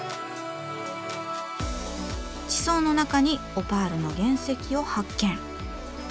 地層の中にオパールの原石を発見。